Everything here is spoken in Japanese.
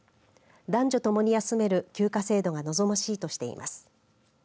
男女ともに休める休暇制度が望ましいとしています。